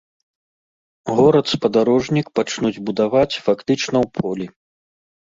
Горад-спадарожнік пачнуць будаваць фактычна ў полі.